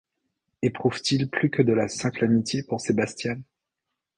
Éprouve-t-il plus que de la simple amitié pour Sebastian?